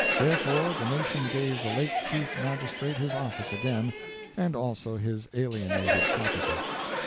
Therefore the nation gave the late chief magistrate his office again, and also his alienated Property.